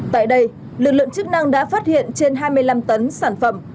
từ lượng chức năng đã phát hiện trên hai mươi năm tấn sản phẩm